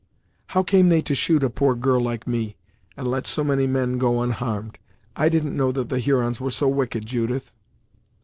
"How came they to shoot a poor girl like me, and let so many men go unharmed? I didn't know that the Hurons were so wicked, Judith!"